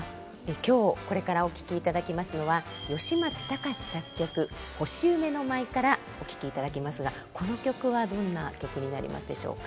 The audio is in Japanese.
今日これからお聴きいただきますのは吉松隆作曲「星夢の舞」からお聴きいただきますがこの曲はどんな曲になりますでしょうか？